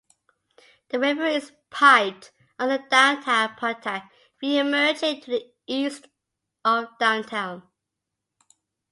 The river is piped under downtown Pontiac, re-emerging to the east of downtown.